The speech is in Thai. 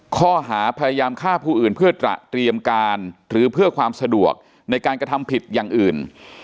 ข้อหาพยายามฆ่าผู้อื่นเพื่อตระเตรียมการหรือเพื่อความสะดวกในการกระทำผิดอย่างอื่น